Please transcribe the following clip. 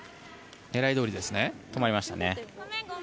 止まりましたね。